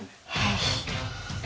はい。